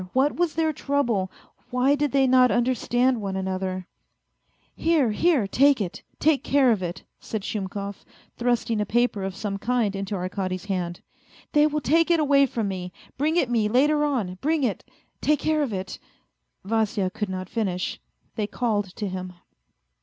What was their trouble ? Why did they not understand one another ?" Here, here, take it ! Take care of it," said Shumkov. thrust ing a paper of some kind into Arkady's hand. " They will take it away from me. Bring it me later on ; bring it ... take care 198 A FAINT HEART of it. ..." Vasya could not finish, they called to him.